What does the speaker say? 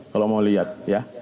kalau mau lihat ya